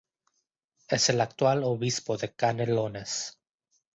Es el actual obispo de Canelones.